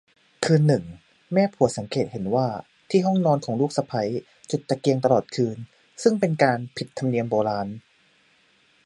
คืนหนึ่งแม่ผัวสังเกตเห็นว่าที่ห้องนอนของ ลูกสะใภ้จุดตะเกียงตลอดคืน ซึ่งเป็นการผิดธรรมเนียมโบราณ